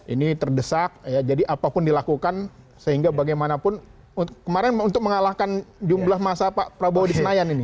ini terdesak ya jadi apapun dilakukan sehingga bagaimanapun kemarin untuk mengalahkan jumlah masa pak prabowo di senayan ini